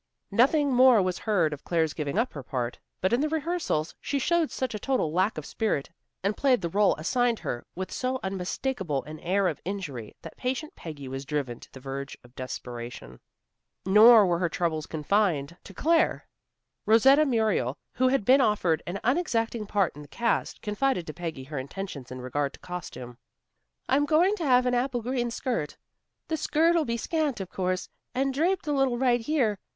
Nothing more was heard of Claire's giving up her part, but in the rehearsals she showed such a total lack of spirit, and played the rôle assigned her with so unmistakable an air of injury, that patient Peggy was driven to the verge of desperation. Nor were her troubles confined to Claire. Rosetta Muriel who had been offered an unexacting part in the cast, confided to Peggy her intentions in regard to costume. "I'm going to have an apple green silk. The skirt'll be scant, of course, and draped a little right here.